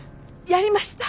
やりました。